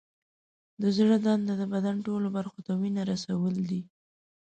د زړه دنده د بدن ټولو برخو ته وینه رسول دي.